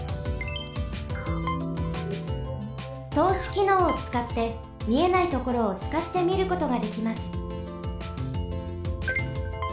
とうしきのうをつかってみえないところをすかしてみることができます。